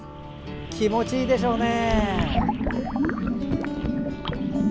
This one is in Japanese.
気持ちいいでしょうね。